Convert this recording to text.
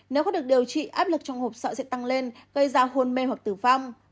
nếu có được điều trị áp lực trong hộp sọ sẽ tăng lên gây ra hôn mê hoặc tử vong